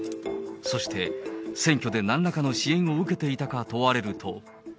そして選挙でなんらかの支援を受けていたか問われると。